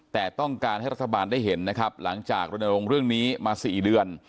แต่ต้องการให้รัฐบาลได้เห็นนะครับหลังจากรณรงค์เรื่องนี้มา๔เดือน